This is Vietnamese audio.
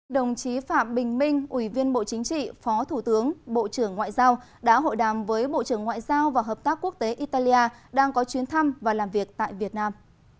đồng chí phạm bình minh ủy viên bộ chính trị phó thủ tướng bộ trưởng ngoại giao đã hội đàm với bộ trưởng ngoại giao và hợp tác quốc tế italia đang có chuyến thăm và làm việc tại việt nam